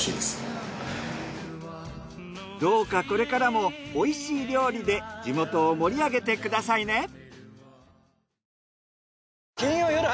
どうかこれからも美味しい料理で地元を盛り上げてくださいね！